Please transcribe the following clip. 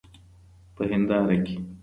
په هینداره کي